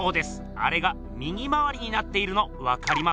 あれが右回りになっているのわかります？